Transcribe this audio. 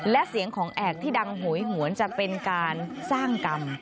และเสียงของแอกที่ดังโหยหวนจะเป็นการสร้างกรรม